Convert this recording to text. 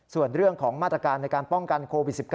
ส่วนเรื่องของมาตรการในการป้องกันโควิด๑๙